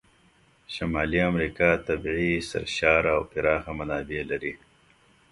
شمالي امریکا طبیعي سرشاره او پراخه منابع لري.